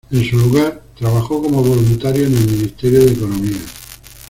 En su lugar, trabajó como voluntario en el Ministerio de Economía.